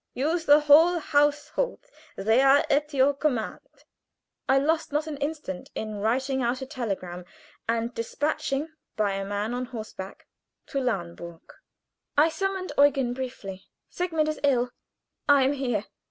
Use the whole household; they are at your command." I lost not an instant in writing out a telegram and dispatching it by a man on horseback to Lahnburg. I summoned Eugen briefly: "Sigmund is ill. I am here.